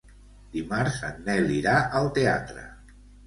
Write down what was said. Dimarts en Nel irà al teatre.